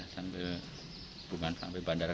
sambil bukan sampai bandara